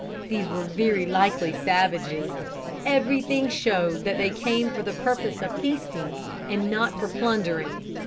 These were very likely savages. Everything showed that they came for the purpose of feasting and not for plundering.